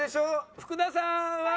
福田さんは？